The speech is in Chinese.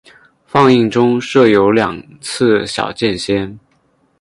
放映中设有两次小间歇。